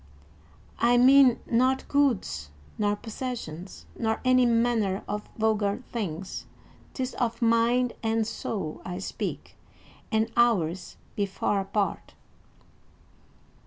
"I mean not goods nor possessions, nor any manner of vulgar things; 'tis of mind and soul I speak, and ours be far apart."